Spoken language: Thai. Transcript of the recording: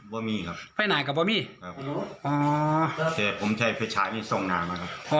ไม่มีครับไฟหนากับไม่มีครับอ๋อแต่ผมใช้ไฟสายนี่ส่องหนามาครับ